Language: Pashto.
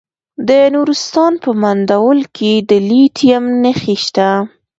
د نورستان په مندول کې د لیتیم نښې شته.